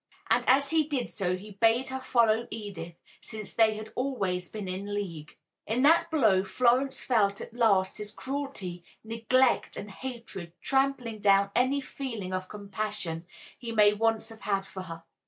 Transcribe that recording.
And as he did so he bade her follow Edith, since they had always been in league! In that blow Florence felt at last his cruelty, neglect and hatred trampling down any feeling of compassion he may once have had for her.